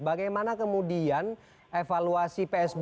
bagaimana kemudian evaluasi psbb